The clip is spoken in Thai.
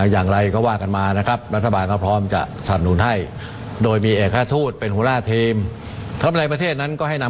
อย่างไรก็วาดกันมานะครับ